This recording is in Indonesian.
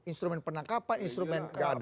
instrumen penangkapan instrumen penegakan hukum